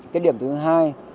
cái điểm thứ hai